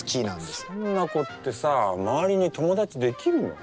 そんな子ってさ周りに友達できるの？